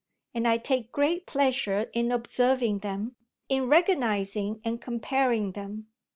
and I take great pleasure in observing them, in recognising and comparing them.